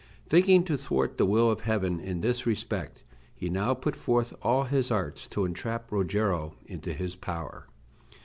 Thinking to thwart the will of Heaven in this respect, he now put forth all his arts to entrap Rogero into his power.